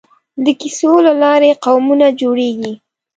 د کیسو له لارې قومونه جوړېږي.